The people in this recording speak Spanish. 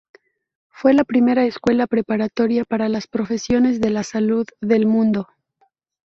Fue la primera escuela preparatoria para las profesiones de la salud del mundo.